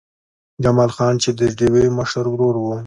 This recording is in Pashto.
جمال خان چې د ډېوې مشر ورور و